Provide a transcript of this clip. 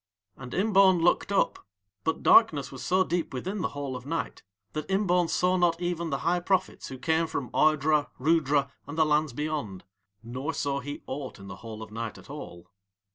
And Imbaun looked up, but darkness was so deep within the Hall of Night that Imbaun saw not even the High Prophets who came from Ardra, Rhoodra, and the lands beyond, nor saw he aught in the Hall of Night at all.